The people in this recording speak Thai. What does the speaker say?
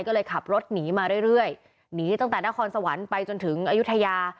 ก็เลยขับรถหนีมาเรื่อยหนีตั้งแต่นครสวรรค์ไปจนถึงอายุทยา